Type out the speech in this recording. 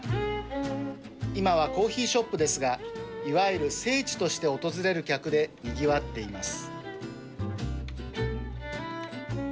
今はコーヒーショップですがいわゆる「聖地」として訪れる客で賑わっています。